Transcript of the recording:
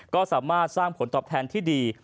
ก็สามารถสร้างผลตอบแทนที่ดี